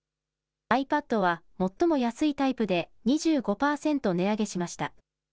ｉＰａｄは最も安いタイプで２５％値上げしました。